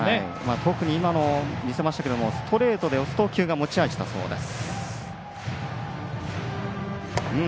特に今のストレートで押す投球が持ち味だそうです。